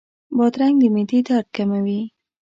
بادرنګ د معدې درد کموي.